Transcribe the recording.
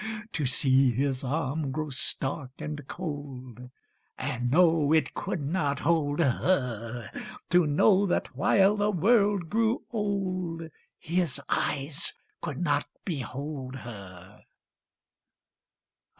To see his arm grow stark and cold, And know it could not hold her; To know that while the world grew old His eyes could not behold her.